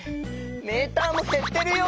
メーターもへってるよ！